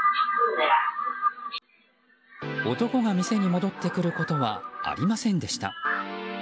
男が店に戻ってくることはありませんでした。